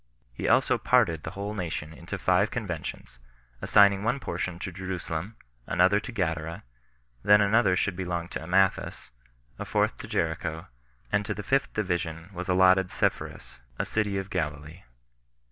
He also parted the whole nation into five conventions, assigning one portion to Jerusalem, another to Gadara, that another should belong to Amathus, a fourth to Jericho, and to the fifth division was allotted Sepphoris, a city of Galilee.